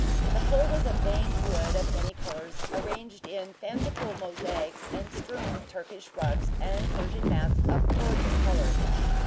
The floor was of veined wood of many colors, arranged in fanciful mosaics, and strewn with Turkish rugs and Persian mats of gorgeous colors.